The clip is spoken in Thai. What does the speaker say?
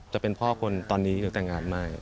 จะเป็นพ่อคนตอนนี้หรือแต่งงานมาก